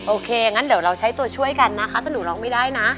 โอเคงั้นเดี๋ยวเราใช้ตัวช่วยกันนะคะถ้าหนูร้องไม่ได้นะ